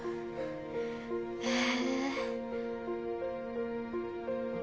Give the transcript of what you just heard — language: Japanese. へえ。